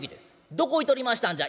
どこ行っとりましたんじゃ」。